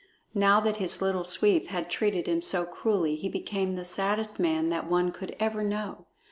Now that his Little Sweep had treated him so cruelly, he became the saddest man that one could ever know.